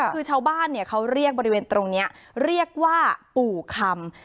คือชาวบ้านเขาเรียกบริเวณตรงนี้เรียกว่าปู่คำ